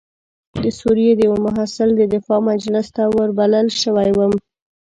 د سوریې د یوه محصل د دفاع مجلس ته وربلل شوی وم.